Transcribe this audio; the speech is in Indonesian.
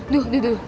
duh duh duh